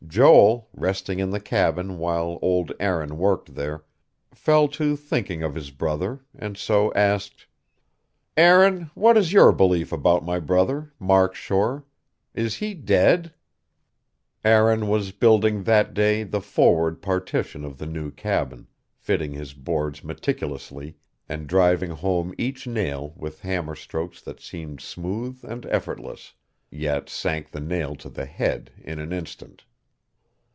Joel, resting in the cabin while old Aaron worked there, fell to thinking of his brother, and so asked: "Aaron, what is your belief about my brother, Mark Shore? Is he dead?" Aaron was building, that day, the forward partition of the new cabin, fitting his boards meticulously, and driving home each nail with hammer strokes that seemed smooth and effortless, yet sank the nail to the head in an instant.